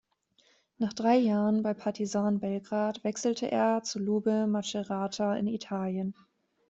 Nach drei Jahren bei Partizan Belgrad, wechselte er zu Lube Macerata in Italien.